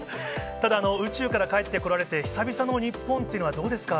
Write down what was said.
ただ、宇宙から帰ってこられて、久々の日本というのは、どうですか？